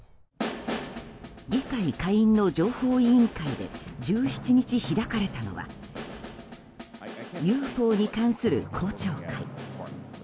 議会下院の情報委員会で１７日開かれたのはＵＦＯに関する公聴会。